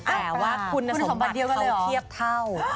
แต่ว่าคุณสมบัติเขาเทียบเท่า